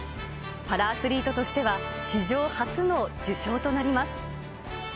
パラアスリートとしては史上初の受賞となります。